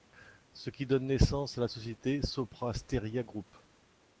Ce qui donne naissance à la société SopraStéria Group.